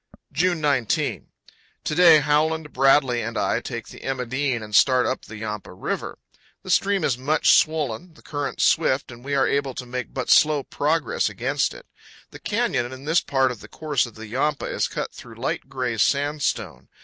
June 19. To day, Howland, Bradley, and I take the "Emma Dean" and start up the Yampa River. The stream is much swollen, the current swift, and we are able to make but slow progress against it. The canyon in this part of the course of the Yampa is cut through light gray sandstone.